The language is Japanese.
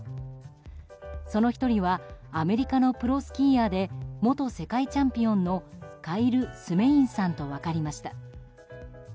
その１人はアメリカのプロスキーヤーで元世界チャンピオンのカイル・スメインさんと分かりました。